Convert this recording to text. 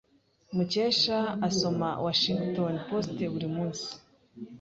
Mukesha asoma Washington Post buri munsi.